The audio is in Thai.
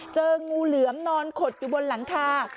เจองูเหลือมนอนขดอยู่บนหลังคา